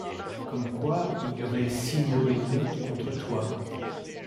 Comme quoi il y aurait six NoéNautes contre toi ?